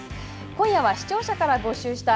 今夜は視聴者から募集した